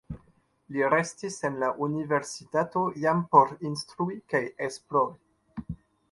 Li restis en la universitato jam por instrui kaj esplori.